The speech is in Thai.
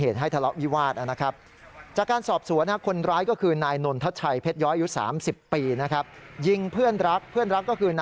ทาวน์ฮาวส์ตรงนี้ค่ะ